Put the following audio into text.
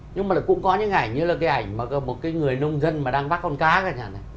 nhưng mà cũng có những ảnh như là cái ảnh một người nông dân mà đang bắt con cá